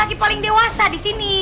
lagi paling dewasa disini